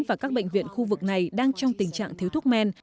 và các bệnh viện khu vực này đang trong tình trạng thiếu thuốc men